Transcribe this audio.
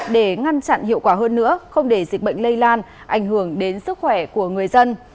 để ngăn chặn hiệu quả hơn nữa không để dịch bệnh lây lan ảnh hưởng đến sức khỏe của người dân